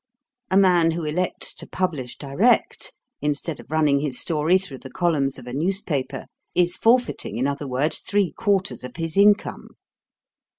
A man who elects to publish direct, instead of running his story through the columns of a newspaper, is forfeiting, in other words, three quarters of his income.